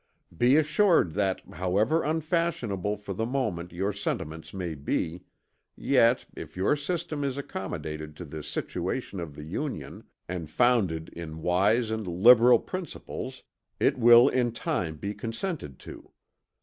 "Be assured that however unfashionable for the moment your sentiments may be, yet, if your system is accommodated to the situation of the Union, and founded in wise and liberal principles, it will in time be consented to.